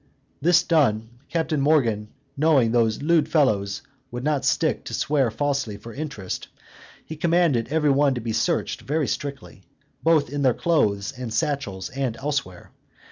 This done, Captain Morgan knowing those lewd fellows would not stick to swear falsely for interest, he commanded every one to be searched very strictly, both in their clothes and satchels, and elsewhere.